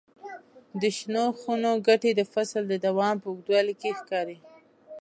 د شنو خونو ګټې د فصل د دوام په اوږدوالي کې ښکاري.